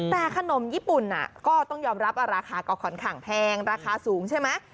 แต่ขนมญี่ปุ่นก็ต้องยอมรับราคาก็ค่อนข้างแพงราคาสูงใช่ไหม